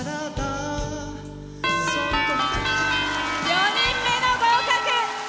４人目の合格！